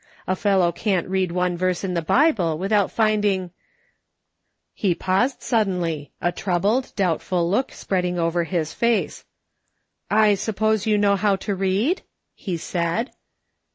A fellow can't . read one verse in the Bible without finding —" He paused suddenly, a troubled, doubtful look spreading over his face. "I suppose you know how to read.''" he said.